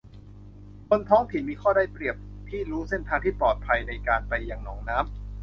คนท้องถิ่นมีข้อได้เปรียบที่รู้เส้นทางที่ปลอดภัยในการไปยังหนองน้ำ